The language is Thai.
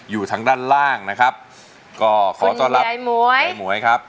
อยู่ทั้งด้านล่างนะครับก็ขอต้อนรับคุณใหญ่หมวยใหญ่หมวยครับ